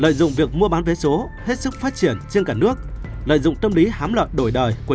lợi dụng việc mua bán vé số hết sức phát triển trên cả nước lợi dụng tâm lý hám lợi đổi đời của